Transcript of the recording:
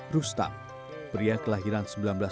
rustam pria kelahiran seribu sembilan ratus lima puluh lima